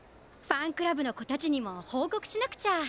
ファンクラブのこたちにもほうこくしなくちゃ。